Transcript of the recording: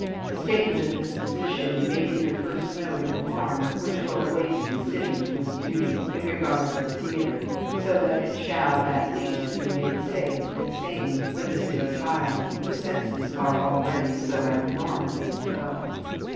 The statement of this physician may be the first note of alarm which will awaken the city to its duty in regard to the theater, so that it shall at least be made safe and sane for the city child whose senses are already so abnormally developed.